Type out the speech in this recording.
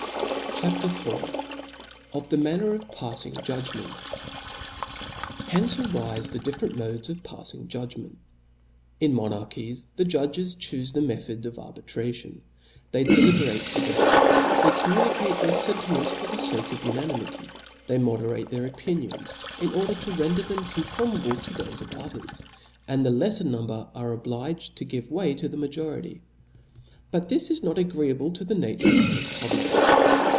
iia T H E S P I R I t CHAP. IV^ Of the manner of faffing Judgfheht. ^%i^ r\ ^N ^^^^^'^^^^ difFcrent manrier of paffing Chap. 4. ^ judgment. In monarchies the judges chufc the method of arbitration 5 they deliberate together, they communicate their fentiments for the fake of unanimity ; they mbderatfe their opinions, in or der to render them conformable to thofe of others j and the lefler number are obliged to give way to the majority. But this is ndt agreeable to the nature of a republic.